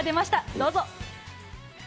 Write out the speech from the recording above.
どうぞ。